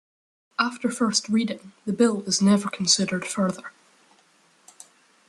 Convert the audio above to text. After first reading, the bill is never considered further.